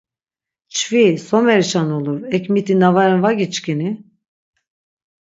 Çvi, somerişa nulur, ek miti na ren va giçkini?